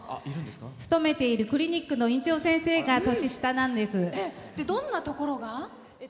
勤めているクリニックの院長先生がどんなところが？